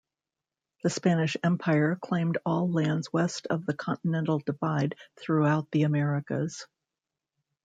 The Spanish Empire claimed all lands west of the Continental Divide throughout the Americas.